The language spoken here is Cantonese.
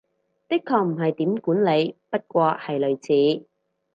的確唔係點管理，不過係類似